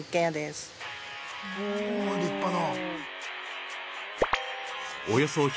おぉ立派な。